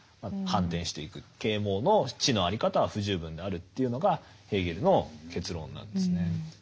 啓蒙の知の在り方は不十分であるというのがヘーゲルの結論なんですね。